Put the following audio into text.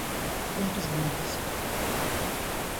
Δεν τους γνώρισα.